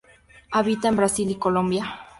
Habita en Brasil y Colombia.